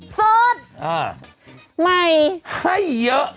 เซิร์ทไหมให้เยอะ